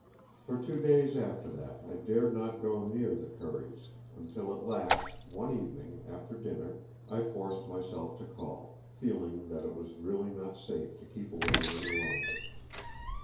For two days after that I dared not go near the Curries, until at last one evening after dinner I forced myself to call, feeling that it was really not safe to keep away any longer.